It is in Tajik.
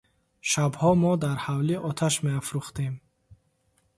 Шабҳо мо дар ҳавлӣ оташ меафрӯхтем.